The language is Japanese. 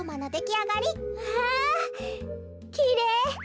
きれい！